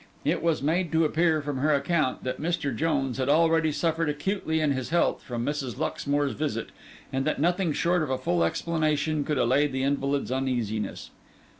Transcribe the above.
It was made to appear, from her account, that Mr. Jones had already suffered acutely in his health from Mrs. Luxmore's visit, and that nothing short of a full explanation could allay the invalid's uneasiness.